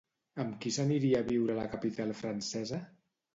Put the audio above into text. Amb qui s'aniria a viure a la capital francesa?